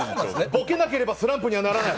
ボケなければスランプにならない！